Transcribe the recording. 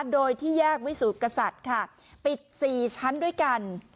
โดยที่แยกวิสูจน์กษัตริย์ค่ะปิด๔ชั้นด้วยกัน